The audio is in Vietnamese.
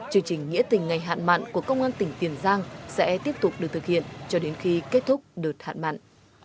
chương trình nghĩa tình ngày hạn mặn của công an tỉnh tiền giang sẽ tiếp tục được thực hiện cho đến khi kết thúc đợt hạn mặn